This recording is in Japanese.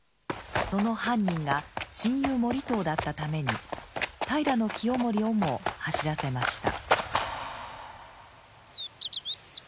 その犯人が親友盛遠だったために平清盛をも走らせました。